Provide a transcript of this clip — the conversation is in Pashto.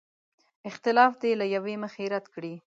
اختلاف دې له یوې مخې رد کړي.